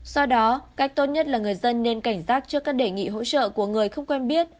do đó cách tốt nhất là người dân nên cảnh giác trước các đề nghị hỗ trợ của người không quen biết